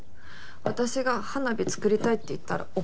私が花火作りたいって言ったら怒りだして。